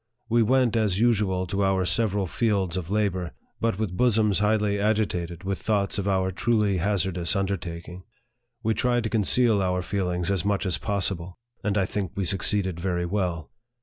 We went, as usual, to our several fields of labor, but with bosoms highly agitated with thoughts of our truly hazardous under taking. We tried to conceal our feelings as much as possible ; and I think we succeeded very well.